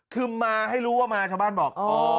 คือมาให้รู้ว่ามาชาวบ้านบอก